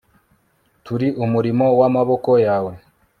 turi umurimo w amaboko yawe